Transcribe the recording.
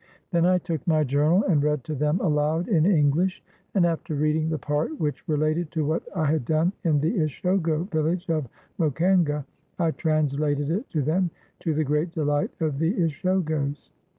Then I took my journal, and read to them aloud in Enghsh, and after reading the part which related to what I had done in the Ishogo village of Mo kenga, I translated it to them, to the great delight of the Ishogos.